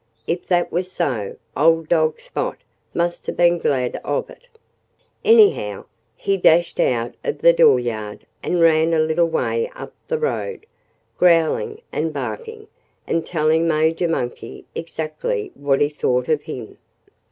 If that was so, old dog Spot must have been glad of it. Anyhow, he dashed out of the dooryard and ran a little way up the road, growling and barking, and telling Major Monkey exactly what he thought of him.